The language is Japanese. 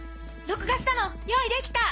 録画したの用意できた！